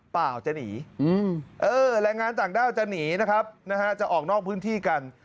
เปล่าจะหนีแรงงานต่างด้าวจะหนีนะครับนะฮะจะออกนอกพื้นที่กัน